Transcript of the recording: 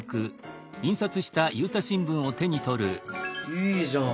いいじゃん。